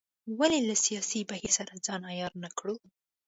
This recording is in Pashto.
ولې له ساینسي بهیر سره ځان عیار نه کړو.